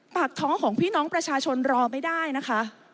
ปากท้องของพี่น้องประชาชนรอไม่ได้นะคะ